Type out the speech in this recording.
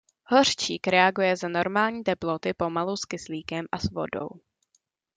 Hořčík reaguje za normální teploty pomalu s kyslíkem a s vodou.